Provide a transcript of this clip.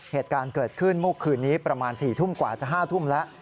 เหตุการณ์เกิดขึ้นเมื่อคืนนี้ประมาณ๔ทุ่มกว่าจะ๕ทุ่มแล้ว